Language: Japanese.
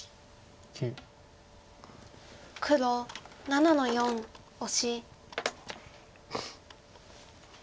黒７の四オシ。